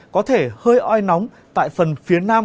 có thể hơi oi nóng tại phần phía nam